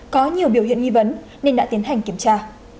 có nhiều biểu hiện nghi vấn nên đã tiến hành kiểm tra